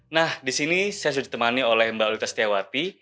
nah di sini saya sudah ditemani oleh mbak luta setiawati